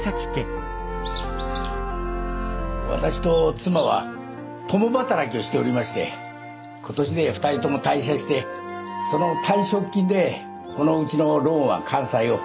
私と妻は共働きをしておりまして今年二人とも退社してその退職金でこのうちのローンは完済を。